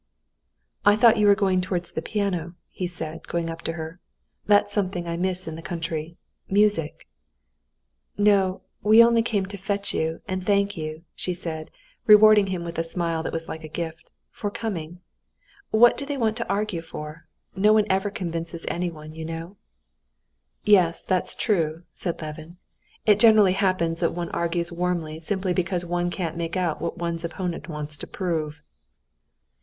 "I thought you were going towards the piano," said he, going up to her. "That's something I miss in the country—music." "No; we only came to fetch you and thank you," she said, rewarding him with a smile that was like a gift, "for coming. What do they want to argue for? No one ever convinces anyone, you know." "Yes; that's true," said Levin; "it generally happens that one argues warmly simply because one can't make out what one's opponent wants to prove."